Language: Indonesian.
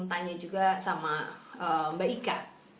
tanya juga sama mbak ika